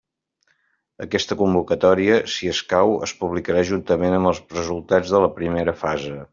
Aquesta convocatòria, si escau, es publicarà juntament amb els resultats de la primera fase.